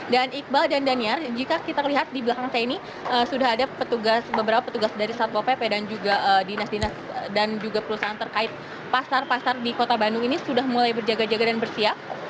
dan iqbal dan daniar jika kita lihat di belakang saya ini sudah ada beberapa petugas dari satwapep dan juga dinas dinas dan juga perusahaan terkait pasar pasar di kota bandung ini sudah mulai berjaga jaga dan bersiap